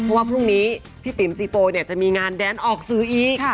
เพราะพรุ่งนี้พี่ปิ่มซีโฟเนี่ยจะมีงานแดนออกซื้ออีก